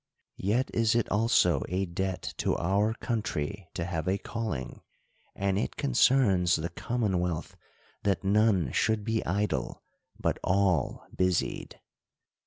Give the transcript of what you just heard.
Yet is it also a debt to our country to have a calling ; and it concerns the commonwealth, that none should be idle, but all busied.